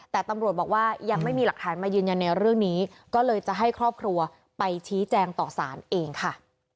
แต่ตำรวจบอกว่ายังไม่มีหลักฐานมายืนยันในเรื่องนี้ก็เลยจะให้ครอบครัวไปชี้แจงต่อสารเองค่ะ